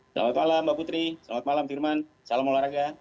selamat malam mbak putri selamat malam firman salam olahraga